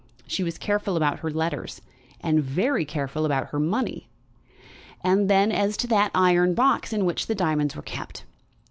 She was careful about her letters, and very careful about her money. And then as to that iron box in which the diamonds were kept!